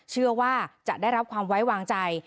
เชื่อว่าจะได้รับความไว้วางใจ